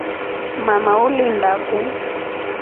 Mama ulinda ku.